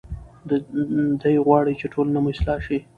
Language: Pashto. دی غواړي چې ټولنه مو اصلاح شي.